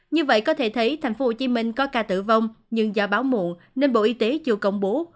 như vậy có thể thấy tp hcm có ca tử vong nhưng do báo muộn nên bộ y tế chưa công bố